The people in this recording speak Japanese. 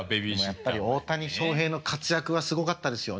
でもやっぱり大谷翔平の活躍はすごかったですよね。